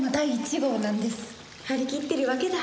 はりきってるわけだ。